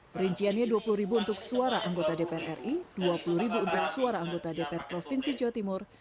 perinciannya rp dua puluh untuk suara anggota dpr ri rp dua puluh untuk suara anggota dpr provinsi jawa timur